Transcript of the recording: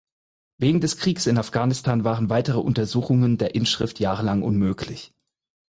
Wegen des Kriegs in Afghanistan waren weitere Untersuchungen der Inschrift jahrelang unmöglich.